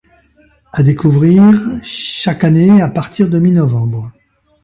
À découvrir... chaque année, à partir de mi-novembre.